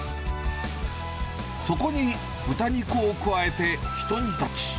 そこに豚肉を加えてひと煮立ち。